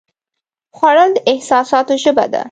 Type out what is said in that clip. خوړل د احساساتو ژبه ده